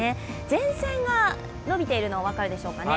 前線が延びているのが分かるでしょうかね。